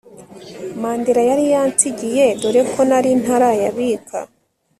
Mandela yari yansigiye dore ko nari ntarayabika